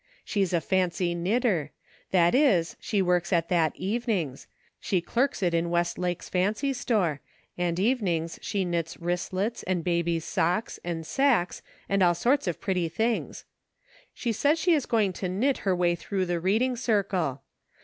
She's a fancy knitter ; that is, she works at that evenings ; she clerks it in Westlake's fancy store ; and evenings she knits wristlets, and babies' socks, and sacks, and all sorts of pretty things. She says she is going to knit her way through the reading circle.